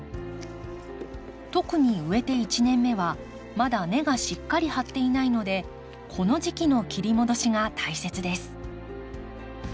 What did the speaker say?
特に植えて１年目はまだ根がしっかり張っていないのでこの時期の切り戻しが大切です。